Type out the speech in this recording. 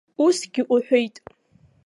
Усгьы уҳәеит.